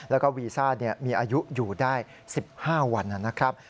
แล้วก็วีซ่ามีอายุอยู่ได้๑๕วันนะครับ